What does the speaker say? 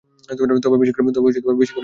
তবে বেশিক্ষণের জন্য না।